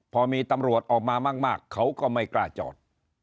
พอมีตำรวจออกมามากเขาก็ไม่กล้าจอด